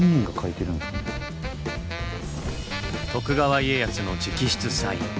徳川家康の直筆サイン。